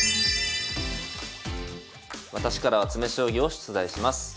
私からは詰将棋を出題します。